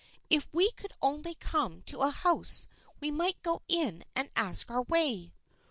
If we could only come to a house we might go in and ask our way."